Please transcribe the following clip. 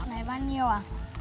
cái này bao nhiêu à